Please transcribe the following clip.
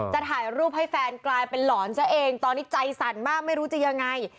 ถ่ายรูปให้แฟนกลายเป็นหลอนซะเองตอนนี้ใจสั่นมากไม่รู้จะยังไง